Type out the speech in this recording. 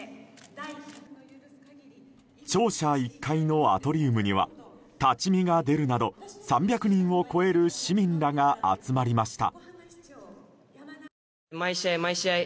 庁舎１階のアトリウムには立ち見が出るなど３００人を超える市民らが集まりました。